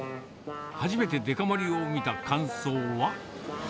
初めてデカ盛りを見た感想は。